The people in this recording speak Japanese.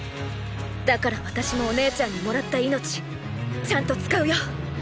だから私もお姉ちゃんにもらった命ちゃんと使うよ。